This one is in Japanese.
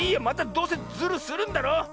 またどうせズルするんだろ。